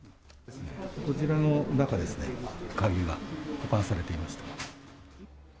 こちらの中ですね、鍵が保管されていました。